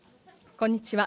こんにちは。